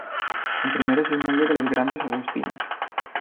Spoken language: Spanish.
El primero es el muelle de los Grandes-Agustinos.